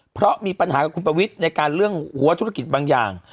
เพราะมีปัญหากับคุณประวิทย์ในการเรื่องหัวธุรกิจบางอย่าง